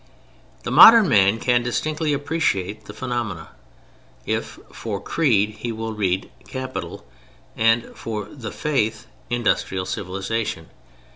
The modern man can distinctly appreciate the phenomenon, if for "creed" he will read "capital," and for the "Faith," "industrial civilization."